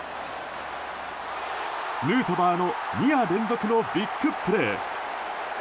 ヌートバーの２夜連続のビッグプレー！